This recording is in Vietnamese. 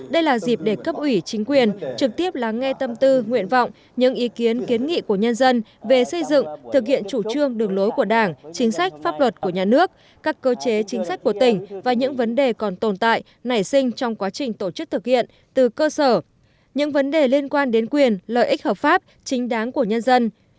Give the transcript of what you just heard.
đây là dịp để cấp ủy chính quyền trực tiếp lắng nghe tâm tư nguyện vọng những ý kiến kiến nghị của nhân dân về xây dựng thực hiện chủ trương đường lối của đảng chính sách pháp luật của nhà nước các cơ chế chính sách của tỉnh và những vấn đề còn tồn tại nảy sinh trong quá trình tổ chức thực hiện từ cơ sở những vấn đề liên quan đến quyền lợi ích hợp pháp chính đáng của nhân dân